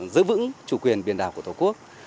giữ vững chủ quyền biển đảo của tổ quốc